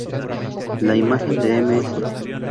La imagen de Ms.